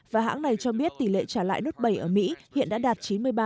và hãng này cho biết tỷ lệ trả lại note bảy ở mỹ hiện đã đạt chín mươi ba